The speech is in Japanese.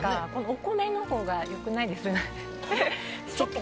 お米のほうが良くないですか。